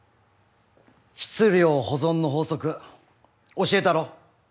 質量保存の法則教えたろ？